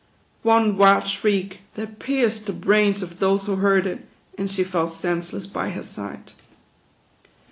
One wild shriek, that pierced the brains of those who heard it, and she fell senseless by his side.